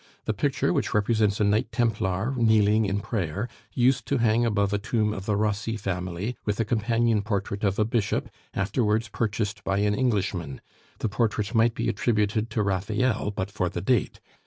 The picture, which represents a Knight Templar kneeling in prayer, used to hang above a tomb of the Rossi family with a companion portrait of a Bishop, afterwards purchased by an Englishman. The portrait might be attributed to Raphael, but for the date.